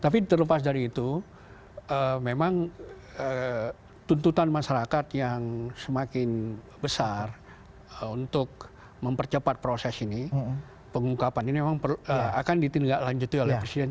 tapi terlepas dari itu memang tuntutan masyarakat yang semakin besar untuk mempercepat proses ini pengungkapan ini memang akan ditindaklanjuti oleh presiden